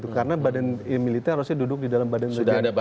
karena militer harusnya duduk di dalam badan intelijen negara